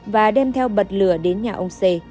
và đem theo bật lửa đến nhà ông c